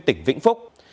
tỉnh vĩnh phúc